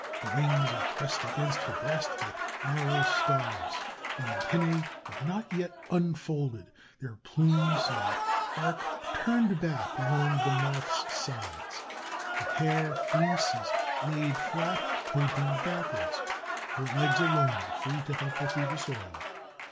The wings are pressed against her breast like narrow scarfs; the antennæ have not yet unfolded their plumes and are turned back along the Moth's sides. Her hair fleece is laid flat, pointing backwards. Her legs alone are free, to help her through the soil.